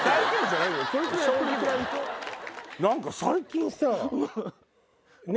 何か最近さ。